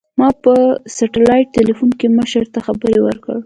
ما په سټلايټ ټېلفون کښې مشر ته خبر ورکړ.